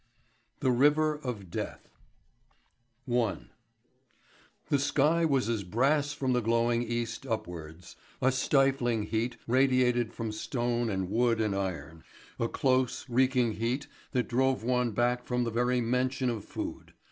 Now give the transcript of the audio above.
THE RIVER OF DEATH: A TALE OF LONDON IN PERIL. I. The sky was as brass from the glowing East upwards, a stifling heat radiated from stone and wood and iron a close, reeking heat that drove one back from the very mention of food.